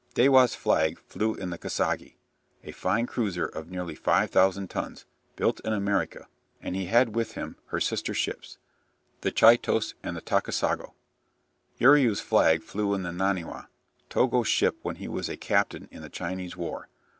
Dewa's flag flew in the "Kasagi," a fine cruiser of nearly 5000 tons, built in America, and he had with him her sister ships, the "Chitose" and "Taka sago." Uriu's flag flew in the "Naniwa," Togo's ship when he was a captain in the Chinese war.